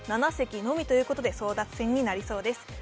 ７席のみということで争奪戦になりそうです。